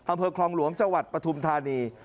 อำเภอคลองหลวงจังหวัดปฐุมธานี